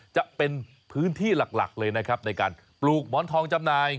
จะเป็นพื้นที่หลักเลยนะครับในการปลูกหมอนทองจำหน่าย